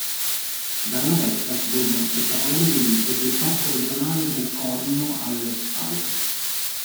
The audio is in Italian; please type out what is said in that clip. Dalla vetta si godono spettacolari vedute sul Parco regionale del Corno alle Scale.